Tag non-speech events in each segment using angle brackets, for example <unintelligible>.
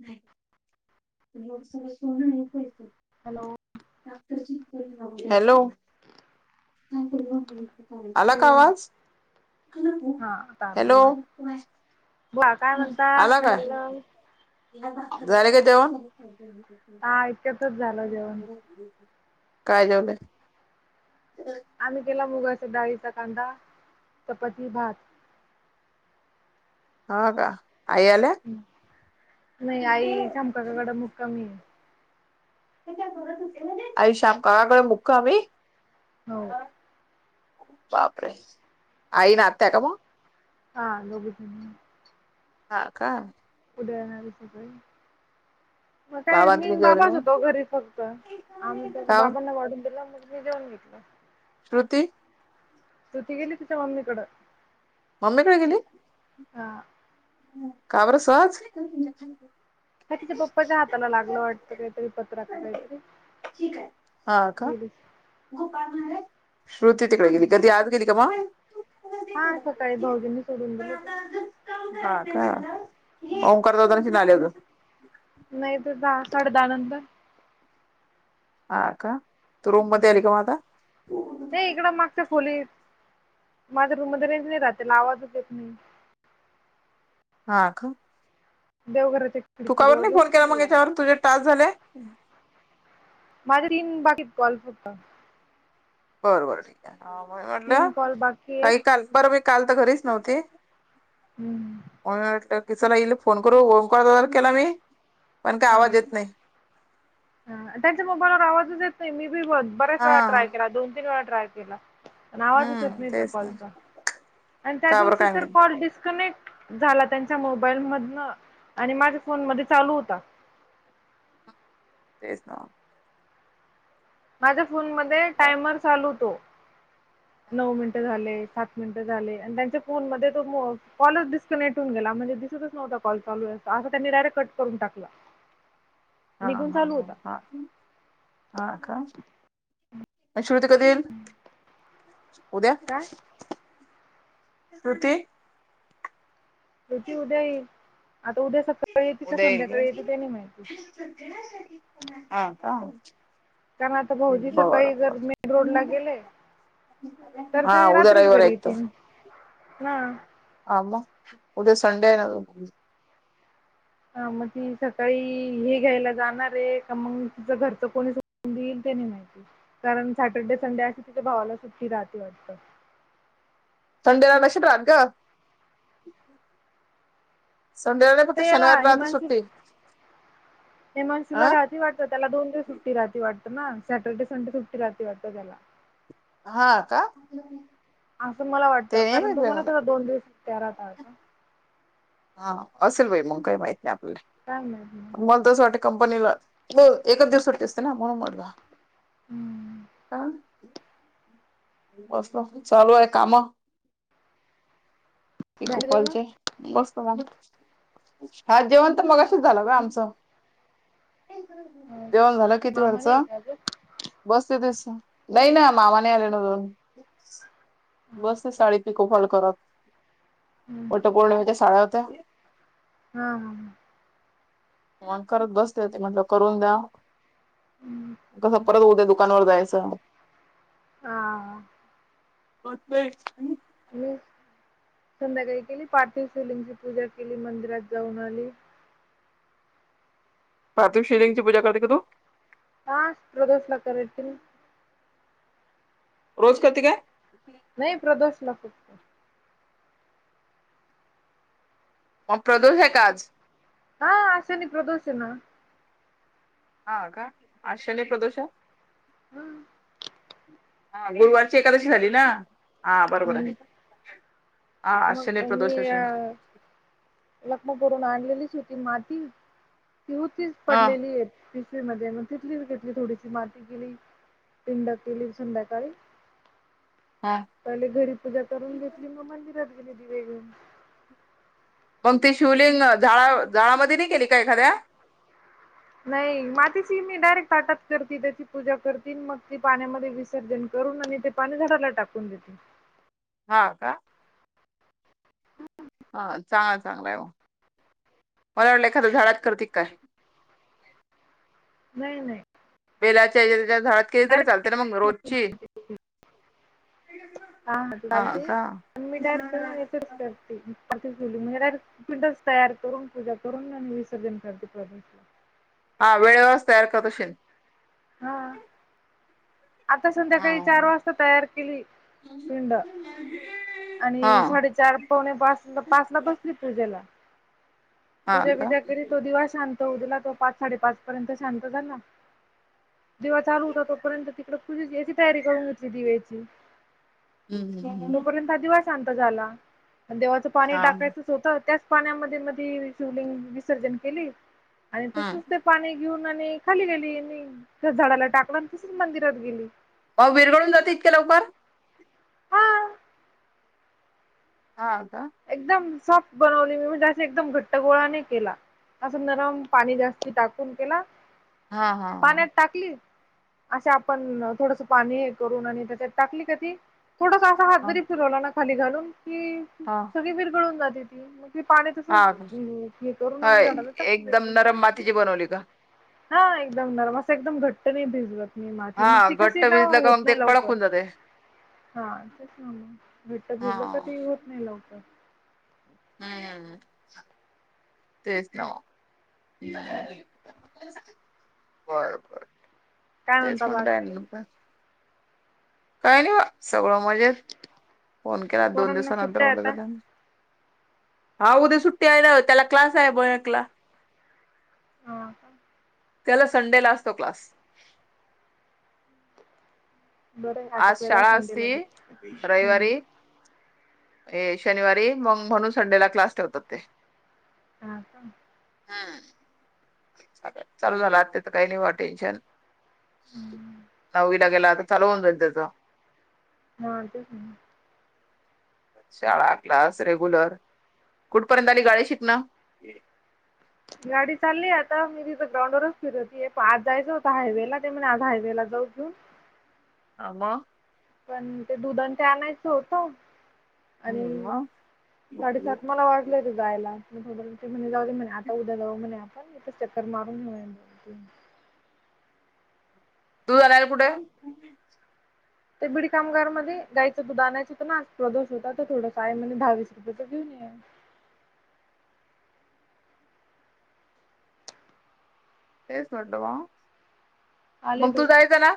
नाही. लोक सगळं सोनं नाही पाहयते. हॅलो! <unintelligible> हॅलो! <unintelligible> आला का ठेवू आवाज? हॅलो! बुवा काय म्हणता? काय चाल मंग. झालं काय जेवण? हा इतक्यातच झालं जेवण. काय जेवलय? <inaudible> आम्ही केला मुगाचा डाळीचा कांदा, चपाती, भात. हा का? आई आल्या? नाही आई संपाककड मुक्कामी आहे. अई श्याम ककाकडे मुक्कामी? हो आ? बापरे आई राहत्या का म? हा दोघीपण हाईत. हा का. उधळणार <unintelligible> सकाळी. मग काय बाबां मी तुम्ही न जेवले का बाबाच मग होतो घरी फक्त, आम्ही दोघ का ओ बाबांना वाढून दिलं मग मी जेऊन घे <unintelligible> श्रुती. श्रुती गेली तिच्या मम्मीकडं. मम्मीकड गेली? हा. का बर सहज? ह्य तिच्या पप्पाच्या हाताला लागलं वाटतं काहीतरी पत्रा का काहीतरी. हा का, गेलीच <unintelligible> श्रुती तिकड गेली काधी आज गेले का म? हा सकाळी भाऊजींनी सोडून दिलं तीला. हा का, ओंकार दादा न चिनी आले होते. नाही तर जा साडे दहा नंतर. हा का, तु रूम मधे आली का म आता? हे इकडं मागच्या खोलीत. माझ्या रूम मध्ये रेंज नाही राहते ला आवाजच येत नाही. हा ख? देवघरचे तु काऊन नाही फोन केला मग याच्यावर तुझे टास झाले? माझे तीन बाकीत कॉल फक्त. बर बर ठीक आहे, मी म्हणलं, तीन कॉल बाकी आहे काही काल परवे काल तर घरीच नव्हती. हम्म. म म्हटलं कि चला ईले फोन करू ओंकार दादाला केला मी, पण काय आवाज येत नाही. ह त्यांच्या मोबाईलवर आवाजच येत नाही मी बी बऱ्याच हा वेळा ट्राय केला दोन तीन वेळा ट्राय केला, पण आवाजच येत हम्म नाही त्या तेच ना कॉलचा. आणि त्या का बरं दिवशी काय तर माहित कॉल डिस्कनेक्ट झाला त्यांच्या मोबाईल मधन, आणि माझ्या फोन मध्ये चालू होता. तेच ना. माझ्या फोन मध्ये हा टायमर चालू होतो. नऊ मिनिटं झाले सात मिनिटं झाले आणि त्यांच्या फोन मध्ये तो म कॉलच दिस च नेटून गेला म्हणजे दिसतच नव्हता कॉल चालूये असं त्यांनी डायरेक्ट कट करून टाकला. हा आणि हा इकडून हा चालू होता. हा, हा का. आणि श्रुती कधी येईल, उद्या? काय श्रुती. श्रुती उद्या येईल, आता उद्या सकाळी येती का संध्याकाळी येती ते नाही माहिती. सध्यासाठी पुन्हा, हा का. कारण आता भाऊजी बरं सकाळी बरं जर मेन रोड ला गेले. तर हा ते उद्या रात्रीच रविवार आहे घरी एक येतीन, हा. आ म, उद्या सडे आहे <unintelligible> हा म ती सकाळी हे घ्यायला जाणार आहे का मग तीच घरच कोणी सोडून दिईल तनी माहिती, कारण सॅटर्डे, संडे अशी तिच्या भावाला सुट्टी राहती वाटत. संडेला रकक्षदान ग. संडेला नाही फक्त ते याला शनिवार रविवार आता हिमांशू सुट्टी, हिमांशूला अं. राहती वाटतं त्याला दोन दिवस सुट्टी राहती वाटतं ना सॅटर्डे, संडे सुट्टी राहती वाटत त्याला. हा का? असं मला वाटतं. ते नाही माहित कारण बाई तुम्हाला मला त दोन दिवस सुट्ट्या राहतात ना? हा असेल बाई मग काही माहिती नाही काय माहित मग. आपल्याला मला तस वाट कंपनीला ब एकच दिवस सुट्टी असते ना? म्हणून म्हटलं. हम्म का? बसलो चालू आहे काम पिको झाली जेवणं? फॉलचे. बसत मगच. हा जेवण तर मगाशीच झालं ग आमचं. हो का जेवण झालं किती मामा वरच नाही आले का अजून? बसते तस नाही ना मामा नाही आले ना अजुन हम्म. बसते साडी पिको फॉल करत. वट पौर्णिमेच्या साड्या होत्या. हा हा मग करत बसते. ते म्हटलं करून द्या. क ह परत उद्या दुकानावर जायचं. हा. होत नाही. मी संध्याकाळी केली पार्थिव शिवलिंगची पूजा केली, मंदिरात जाऊन आली. पार्थिव शिवलिंगची पूजा करती का तू? हा, प्रदोषला करायची ना. रोज करती काय? नाही, प्रदोषला फक्त. मग, प्रदोष आहे का आज? हा आज शनी-प्रदोष आहे ना! हा का? आज शनी-प्रदोष आहे. हा. हा गुरुवारची एकादशी झाली ना? हा बरोबर हम्म आहे. हा आज मग शनी प्रदोष मी आ असेल लखमापूर हून आणलेलीच होती माती, ती होतीच हा पडलेली पिशवी मध्ये. मग तिथलीच घेतली थोडीशी माती केली पिंड केली संध्याकाळी हा. पहीले घरी पूजा करून घेतली. मग मंदिरात गेली, दिवे घेवून. मग ते शिवलिंग झाडां - झाडांमध्ये नाही केली का एखाद्या? नाही. मातीची मी डायरेक्ट ताटात करते, त्याची पूजा करते मग ती पाण्यामध्ये विसर्जन करून आणि ते पाणी झाडाला टाकून देते. हा का? हा चांगला - चांगला आहे मग मला वाटलं एखाद्या झाडात करती का काय? नाही - नाही. वेलाच्या, याच्या-त्याच्या झाडांत केली तरी चालते ना? मग रोजची? हा हा चालतंय पण मी डायरेक्ट वाळूची करते पण ते शिवलिंग <unintelligible> पिंडच तयार करून पूजा करून आणि विसर्जन करते प्रदोषच. हा वेळेवरच तयार करत असशीन. हा. आता हा संध्याकाळी चार वाजता तयार केली पिंड. हा आणि साडेचार पावणे पाचल-पाचला बसली पूजेला. हा का पूजा-बिजा करीत तो दिवा शांत होवू दिला. तो पाच-साडे पाच पर्यंत शांत झाला. दिवा चालू होता तोपर्यंत ती पूजेची याची तयारी करून घेतली दिव्याची. हम हम्म हम्म. तर दिवा शांत झाला देवाचं पाणी हा टाकायचं. तर त्याच पाण्यामध्ये मग ती शिवलिंग विसर्जन केली आणि तसंच हम्म. ते. पाणी घेऊन आणि खाली गेली आणि झाडाला टाकलं तशीच मंदिरात गेली. आहो विरघळून जाती इतक्या लवकर? हा हा, का? एकदम सॉफ्ट बनवली मी म्हणजे असे एकदम घट्ट गोळा नाही केला. असं नरम पाणी जास्ती टाकून केला. हा हा हा, टाकली? असं आपण थोडसं पाणी हे करून आणि त्याच्यात टाकली का ती थोडंस. हात हा जरी फिरवला ना खाली घालून. हा, ती विरघळून जाते ती मग. ती पाणी हा तसंच हे करून हा आणि झाडाला टाकून एकदम देते. नरम मातीची बनवली का? हा एकदम नरम असं एकदम घट्ट नाही भिजवत. मी माती मग हा ती कशी घट्ट ना भिजलं का होत मग ते नाही कडक लवकर. होऊन जाते हा तेच <unintelligible> घट्ट हा भलं तर ते होत नाही लवकर <inaudible> तेच ना बर बर. काय तेच म्हणता म्हणताय बाकी काय नाही बा सगळं मजेत. फोन केला दोन पोरांना दिवसानंतर सुट्ट्या मला आहेत आता? झाल्या. हा उद्या सुट्टी आहे ना त्याला क्लास आहे बयाकला. हा का, त्याला संडे ला असतो क्लास. बरं आता आज केलाय शाळा संडेला असती बी हम. ए शनिवारी मग म्हणून संडेला क्लास ठेवतात ते. ''हां'' का, हम्म. चालतंय चालू झाला आ त्या तर काही नाही वा टेन्शन हम्म. नऊ विला गेला आता. चालू होऊन जाईल त्याचा. हज <unintelligible> शाळा क्लास रेग्युलर कुठपर्यंत आली गाडी शिकणं. गाडी चालली आहे आता मी तिथ ग्राउंडरच फिरत होती पा आज जायचं होतं हायवे लाला ते म आज हायवे ला जाऊन घेऊन. आ मग. पण ते दुधन ते आणायचं होतं. आणि मग साडेसात मला वाज ''--'' घरी जायला थ ते म्ह जाऊ म्हणे आता उद्या जाऊ म्हणे आप ''--'' चल इथ चक्कर मारून यु यात. तू जाणार कुठे. ते बीड कामगार मध्ये गायचं दूध आणायचं होतं ना प्रदोष होता तर थडं साय म दहावीस रुपयाेचं. <inaudible> तेच म्हटलं बा आले मग तू बाई. जायचं ना.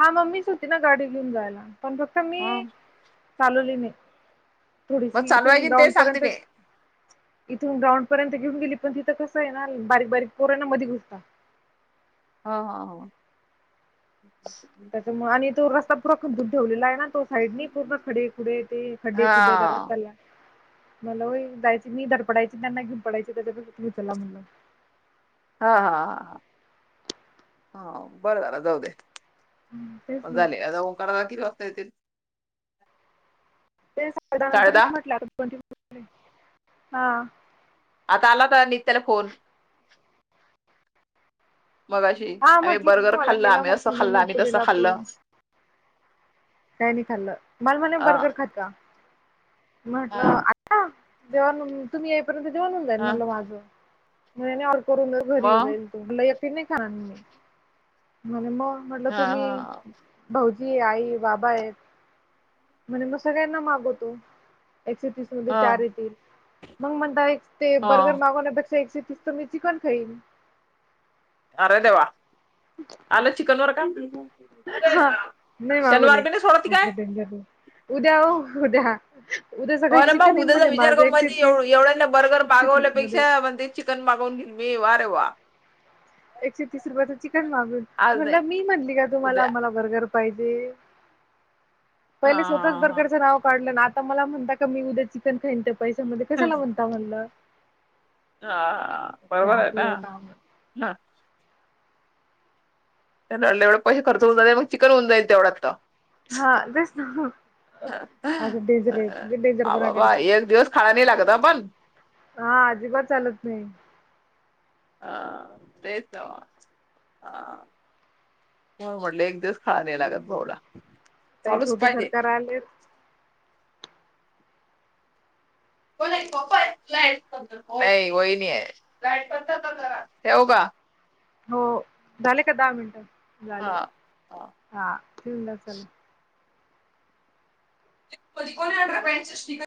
हा मम्मीच होती ना गाडी घेऊन जायला पण फक्त मी हं चालवली नाही. मग थोडीशी इथून चालवायची ना ते ग्राउंड सांगते पर्यंत मी. इथून ग्राउंड पर्यंत घेऊन गेली पण तिथ कस आहे ना बारीक बारीक पोर आहे ना मध्ये घुसता. ह ह ह <inaudible> त्याच्यामुळे आणि तो रस्ता पुरा खदुंन ठेवलेला आहे ना. तो साईडने पूर्ण खडे खुडे ते खड्डे खुड्डे हा. रस्ताला मला हो जायची मी धडपडायची त्यांना घेऊन पडायची. त्यांच्यापेक्षा तुम्ही चला म्हणल. हा हा हा ह हा बर झाल जाऊ दे. तेच ना झाले, आता ओंकारदादा कीती वाजता येतील. ते साडेदहा साडे नंतर दहा. म्हटले आता हा आता आला का नीत्याला फोन. मगाशी हा आम्ही म्हटलं बर्गर मला खाल्ल. केला आम्ही अस म्हणे मी खाल्ल. आम्ही तस नतुडीला खाल्ल. काय नाही खाल्ल. मला म्हणे अ बर्गर खात का? म्हटल हा जेण तुम्ही येईपर्यंत जेवण होऊन जाईल हा म्हणल माझ. करून घरी येऊ मग? जाईल तुला एकटी नाही खानार मी म्हणे. मग म्हटल हा तुम्ही हा. भाऊजी, आई बाबा आहेत. म्हणे मग सगळ्यांना मागवतो एकशे तीस चार हं येतील. मग म्हण ते बर्गर हं. मागवण्यापेक्षा एकशे तीस तर मी चिकन खाईन. अर देेवा. <inaudible> आलं चिकन वर का? अरे हा नाही मागवले. शनिवार बी नाही सोडती काय? अस डेंजर उद्या हो उद्या उद्या सकाळी हो ना म चिकन येईल उद्याचा म्हणे विचार माझं कर एकशे पाहिजे. एवढ तीस एवढ्यांना बर्गर एकशे तीस मध्ये मागवल्यापेक्षा म्हणते चिकन मागवून घेईल मी‌. वा रे वा एकशे तीस रुपयाच चिकन मागून आज म्हणल नाही मी म्हटली का तुम्हाला उद्या मला बर्गर पाहिजे. हा पहिले स्वतःच हा बर्गरच नाव काढल ना आता मला म्हणता का मी उद्या चिकन खाईन त्या पैशमध्ये. हा कशाला म्हणता म्हणल. हा बरोबर आहे ना. ह त्यांना म्हणल ऐवढे पैसे खर्च होऊन जाईल मग चिकन येऊन जाईल तेवढ्यात तर. हा तेस ना. अस डेंजर आहेत. लयी डेंजर हा पणा बाबा करतात. एक दिवस खायला नाही लागत पण हा अजिबात चालत नाही. हा तेच ना. हा हो म्हटले एक दिवस खाव नाही लागत भाऊला. ताई चालूच छोटे पाहिजे सरकार आलेत. नाही वहिनी आहे. ठेवू का. हो झाले का दहा मिनट. हा. झाले हा ठेवुनी द्या चला. <unintelligible>